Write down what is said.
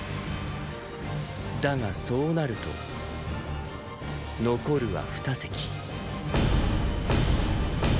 だがそうなると残るは二席。